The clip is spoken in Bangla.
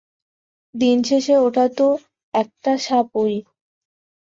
দিনশেষে ওটা তো একটা সাপই!